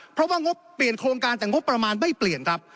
เพราะว่างบเปลี่ยนโครงการแต่งบประมาณไม่เปลี่ยนครับ